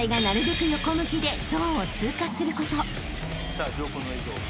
さあ上空の映像。